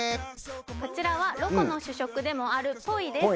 こちらはロコの主食でもあるポイです